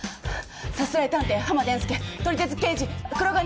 『さすらい探偵浜伝助』『撮り鉄刑事鉄万次郎』